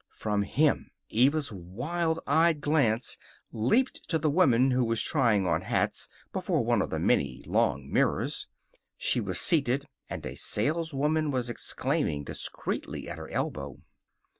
From him Eva's wild eyed glance leaped to the woman who was trying on hats before one of the many long mirrors. She was seated, and a saleswoman was exclaiming discreetly at her elbow.